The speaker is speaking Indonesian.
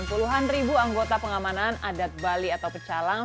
puluhan ribu anggota pengamanan adat bali atau pecalang